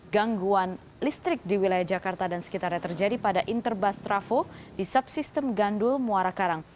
gangguan listrik di wilayah jakarta dan sekitarnya terjadi pada interbas trafo di subsistem gandul muara karang